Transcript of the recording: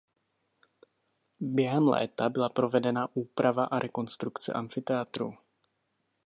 Během léta byla provedena úprava a rekonstrukce amfiteátru.